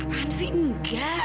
apaan sih nggak